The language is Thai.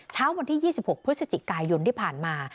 เช้าวันที่๒๖พฤศจิกายนที่ผ่านมา